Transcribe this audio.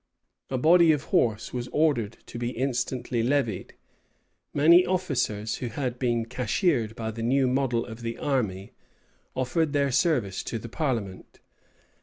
A body of horse was ordered to be instantly levied. Many officers, who had been cashiered by the new model of the army, offered their service to the parliament.